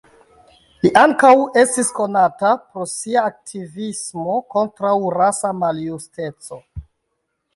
Li estis ankaŭ konata pro sia aktivismo kontraŭ rasa maljusteco.